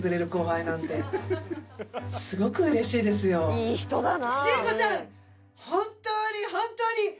「いい人だな！」